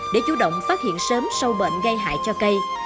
điều động phát hiện sớm sâu bệnh gây hại cho cây